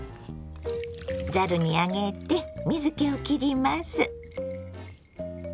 ざるに上げて水けをきります。